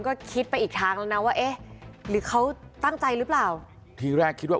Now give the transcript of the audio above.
ก็คิดไปอีกทางแล้วนะว่าเอ๊ะหรือเขาตั้งใจหรือเปล่าทีแรกคิดว่า